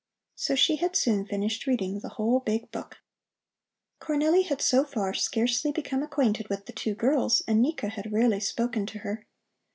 So she had soon finished reading the whole big book. Cornelli had so far scarcely become acquainted with the two girls, and Nika had rarely spoken to her.